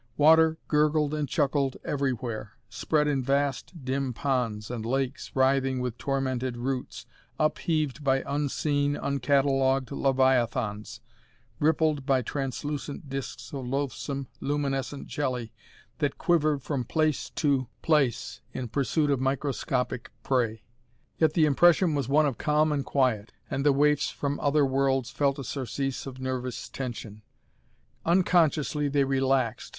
Water gurgled and chuckled everywhere, spread in vast dim ponds and lakes writhing with tormented roots, up heaved by unseen, uncatalogued leviathans, rippled by translucent discs of loathsome, luminescent jelly that quivered from place to place in pursuit of microscopic prey. Yet the impression was one of calm and quiet, and the waifs from other worlds felt a surcease of nervous tension. Unconsciously they relaxed.